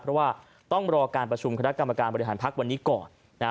เพราะว่าต้องรอการประชุมคณะกรรมการบริหารพักวันนี้ก่อน